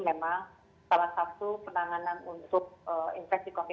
memang salah satu penanganan untuk infeksi covid sembilan belas